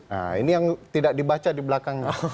nah ini yang tidak dibaca di belakangnya